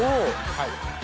はい。